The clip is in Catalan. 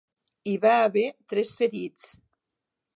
Hi va haver tres ferits.